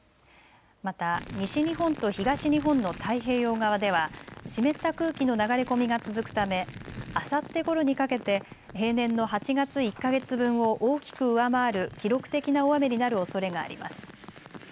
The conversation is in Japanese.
また西日本と東日本の太平洋側では湿った空気の流れ込みが続くためあさってごろにかけて平年の８月１か月分を大きく上回る記録的な大雨になるおそれがあります。